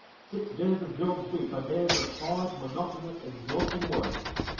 Six days of Job's week are of hard, monotonous, exhausting work.